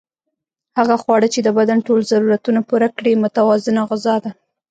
هغه خواړه چې د بدن ټول ضرورتونه پوره کړي متوازنه غذا ده